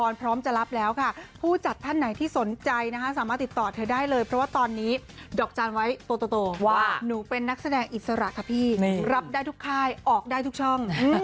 รับได้ทุกค่ายออกได้ทุกช่อง